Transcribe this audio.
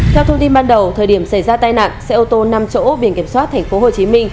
theo thông tin ban đầu thời điểm xảy ra tai nạn xe ô tô năm chỗ biển kiểm soát tp hcm